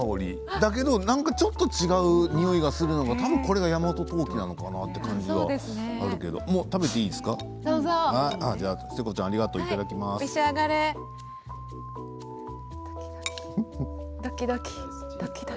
だけど、なんかちょっと違うにおいがするのがこれが大和当帰なのかなっていう感じがあるけどもう食べていいのかな？